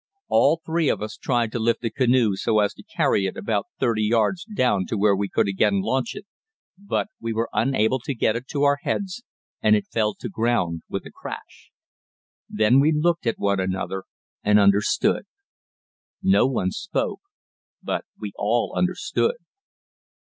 All three of us tried to lift the canoe so as to carry it about thirty yards down to where we could again launch it, but we were unable to get it to our heads and it fell to ground with a crash. Then we looked at one another and understood. No one spoke, but we all understood.